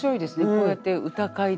こうやって歌会ですか？